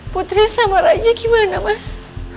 putri sama raja gimana mas